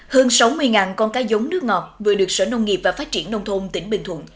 hơn sáu mươi con cá giống nước ngọt vừa được sở nông nghiệp và phát triển nông thôn tỉnh bình thuận